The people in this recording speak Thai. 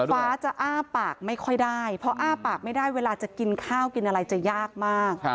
ฟ้าจะอ้าปากไม่ค่อยได้เพราะอ้าปากไม่ได้เวลาจะกินข้าวกินอะไรจะยากมาก